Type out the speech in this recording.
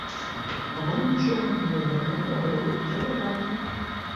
Амаль нічога не вядома пра ролю палявання.